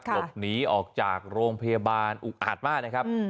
หลบหนีออกจากโรงพยาบาลอุกอาจมากนะครับ